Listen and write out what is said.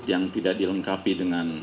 yang tidak dilengkapi dengan